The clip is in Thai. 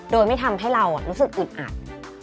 โดยไม่ทำให้เรารู้สึกอึดอัด